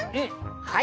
はい。